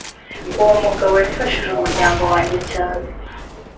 Uwo mugabo yafashije umuryango wanjye cyane